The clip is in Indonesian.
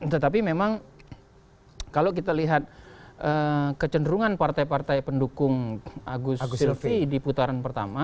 tetapi memang kalau kita lihat kecenderungan partai partai pendukung agus silvi di putaran pertama